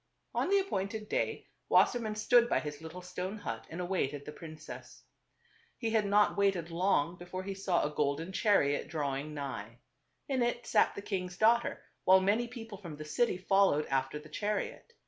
On the appointed day, Wassermann stood by his little stone hut and awaited the princess. He had not waited long before he saw a golden chariot drawing nigh. In it sat ^ the king's daughter, while many people from the city followed after the chariot.